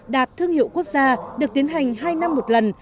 đạt thương hiệu quốc gia được tiến hành hai năm một lần